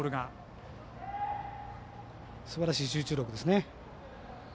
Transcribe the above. すばらしい集中力ですね。